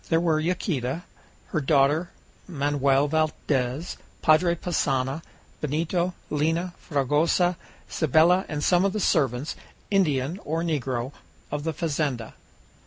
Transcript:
There were Yaquita, her daughter, Manoel Valdez, Padre Passanha, Benito, Lina, Fragoso, Cybele, and some of the servants, Indian or negro, of the fazenda.